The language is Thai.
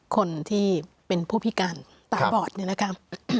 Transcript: คนที่เป็นผู้พิการตาบอดเนี่ยนะครับ